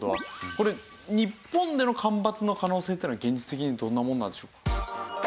これ日本での干ばつの可能性っていうのは現実的にどんなものなんでしょうか。